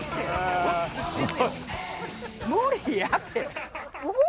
無理やて！